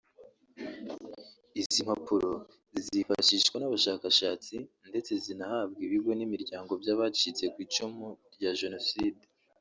Izi mpapuro zizifashishwa n’abashakashatsi ndetse zinahabwe ibigo n’imiryango by’abacitse ku icumu rya Jenoside